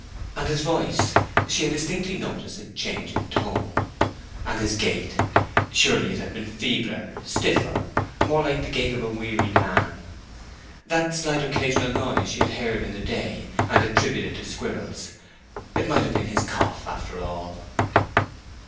And his voice; she had distinctly noticed a change in tone. And his gait; surely it had been feebler, stiffer, more like the gait of a weary man. That slight occasional noise she had heard in the day, and attributed to squirrels, it might have been his cough after all.